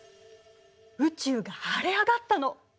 宇宙が晴れ上がったの！